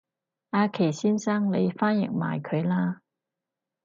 阿祁先生你翻譯埋佢啦